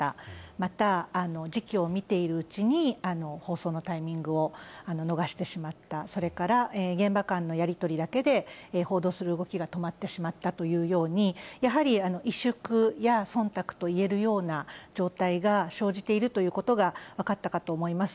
また、時期を見ているうちに、放送のタイミングを逃してしまった、それから、現場間のやり取りだけで報道する動きが止まってしまったというように、やはり萎縮やそんたくといえるような状態が生じているということが分かったかと思います。